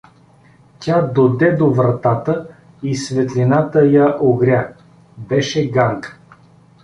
Тя доде до вратата и светлината я огря: беше Ганка.